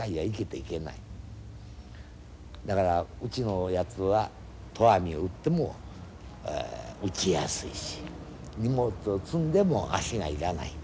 だからうちのやつは投網を打っても打ちやすいし荷物を積んでも足が要らない。